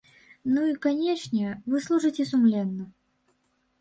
Ну, і, канечне, вы служыце сумленна.